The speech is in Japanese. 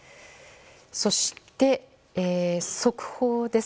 そして速報です。